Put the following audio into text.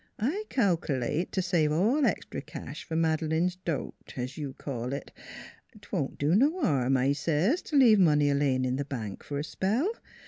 I calklate to save all extry cash for Madeleine's dot, as you & her call it. 'Twont do no harm, I says, to leave money a laying in the bank for a spell.